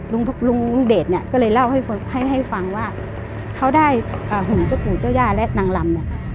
ลุงเดชเนี่ยก็เลยเล่าให้ฟังให้ฟังว่าเขาได้หุงเจ้าปู่เจ้าย่าและนางลำเนี่ย